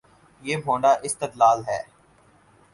یہ بھونڈا استدلال ہے۔